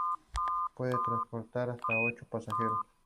Puede transportar hasta ocho pasajeros.